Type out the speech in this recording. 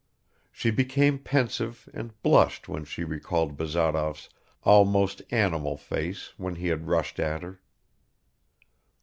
She became pensive and blushed when she recalled Bazarov's almost animal face when he had rushed at her